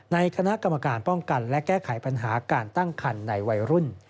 ในคณะกรรมการป้องกันและแก้ไขปัญหาการตั้งคันในวัยรุ่น